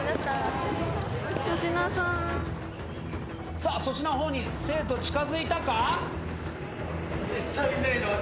さあ粗品の方に生徒近づいたか！？